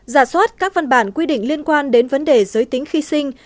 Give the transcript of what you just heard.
giả soát các văn bản quy định liên quan đến vấn đề giới tính khi sinh